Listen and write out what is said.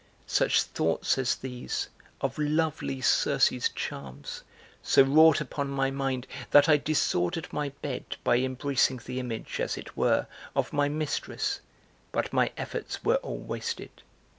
(Such thoughts as these, of lovely Circe's charms so wrought upon my mind that) I disordered my bed by embracing the image, as it were, of my mistress, (but my efforts were all wasted.)